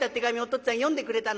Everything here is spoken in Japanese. っつぁん読んでくれたの？